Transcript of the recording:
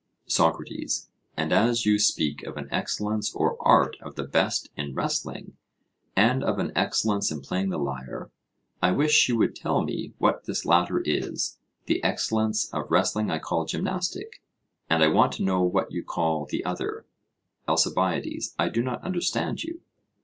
SOCRATES: And as you speak of an excellence or art of the best in wrestling, and of an excellence in playing the lyre, I wish you would tell me what this latter is; the excellence of wrestling I call gymnastic, and I want to know what you call the other. ALCIBIADES: I do not understand you.